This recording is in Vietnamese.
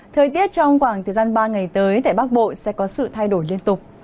thời tiết trong khoảng thời gian ba ngày tới tại bắc bộ sẽ có sự thay đổi liên tục